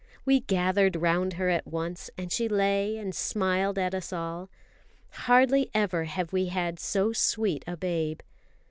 We gathered round her at once, and she lay and smiled at us all. Hardly ever have we had so sweet a babe.